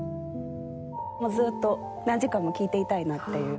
もうずっと何時間も聴いていたいなっていう。